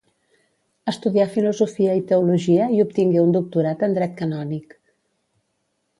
Estudià filosofia i teologia i obtingué un doctorat en dret canònic.